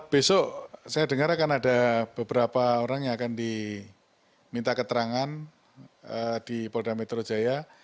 besok saya dengar akan ada beberapa orang yang akan diminta keterangan di polda metro jaya